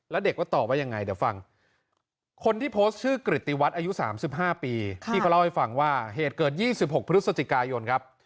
แล้วเด็กก็ตอบว่ายังไงเดี๋ยวฟังคนที่โพสต์ชื่อกริตติวัฒน์อายุ๓๕ปีที่เขาเล่าให้ฟังว่าเหตุเกิด๒๖พฤศจิกายนครับ